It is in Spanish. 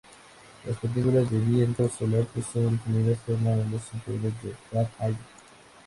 Las partículas del viento solar que son detenidas forman los cinturones de Van Allen.